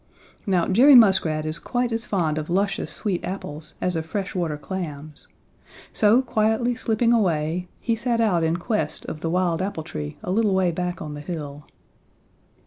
Now Jerry Muskrat is quite as fond of luscious sweet apples as of fresh water clams, so quietly slipping away, he set out in quest of the wild apple tree a little way back on the hill.